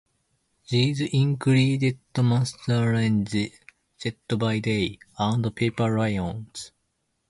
These included Maserati, Jet By Day, and Paper Lions.